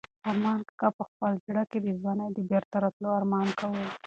ارمان کاکا په خپل زړه کې د ځوانۍ د بېرته راتلو ارمان کاوه.